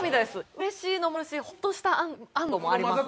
うれしいのもあるしほっとした安堵もあります。